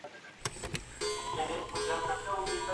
هیڅ آرایشي مواد د رژیدلو وریښتانو ترمیم نه کوي.